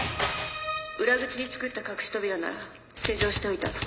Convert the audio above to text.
裏口に作った隠し扉なら施錠しておいた。